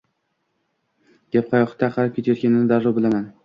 Gap qayoqqa qarab ketayotganini darrov bilaman.